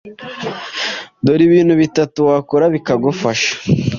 Dore ibintu bitatu wakora bikagufasha